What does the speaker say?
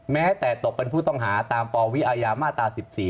แม้แต่ตกเป็นผู้ต้องหาตามปวิอาญามาตรา๑๔